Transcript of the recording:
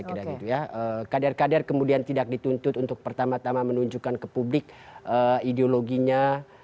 kader kader kemudian tidak dituntut untuk pertama tama menunjukkan ke publik ideologinya